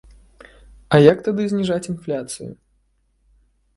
А як тады зніжаць інфляцыю?